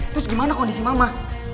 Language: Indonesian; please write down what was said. terus gimana kondisi mama